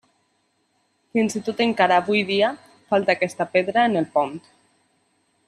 Fins i tot encara avui dia, falta aquesta pedra en el pont.